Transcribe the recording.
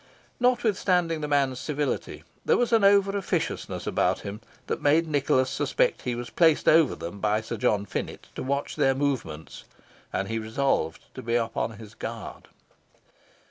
Notwithstanding the man's civility, there was an over officiousness about him that made Nicholas suspect he was placed over them by Sir John Finett to watch their movements, and he resolved to be upon his guard.